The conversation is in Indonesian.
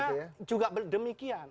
karena juga demikian